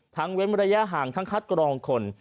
เว้นระยะห่างทั้งคัดกรองคน